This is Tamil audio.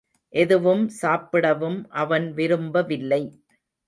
எதுவும் சாப்பிடவும் அவன் விரும்பவில்லை.